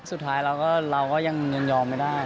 สุดท้ายเราก็ยังยอมไม่ได้